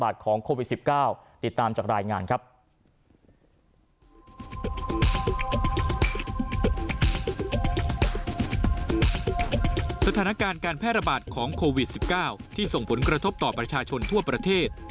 สถานการณ์การแพร่ระบาดของโควิด๑๙ที่ส่งผลกระทบต่อประชาชนทั่วประเทศ